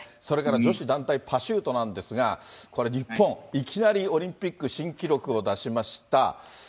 それから女子団体パシュートなんですが、これ日本、いきなりオリンピック新記録を出しました。